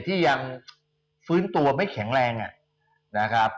ที่ยังฟื้นตัวไม่แข็งแรงนะครับ